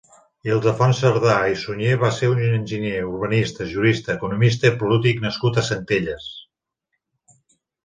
Ildefons Cerdà i Sunyer va ser un enginyer, urbanista, jurista, economista i polític nascut a Centelles.